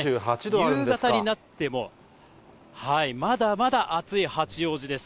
夕方になっても、まだまだ暑い八王子です。